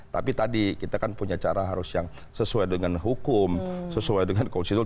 tapi tadi kita kan punya cara harus yang sesuai dengan hukum sesuai dengan konstitusi